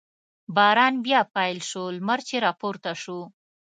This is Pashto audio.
باران بیا پیل شو، لمر چې را پورته شو.